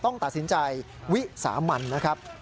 ต้องตัดสินใจวิสามันนะครับ